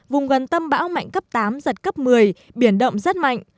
vùng gần tâm bão mạnh cấp tám giật cấp một mươi biển động rất mạnh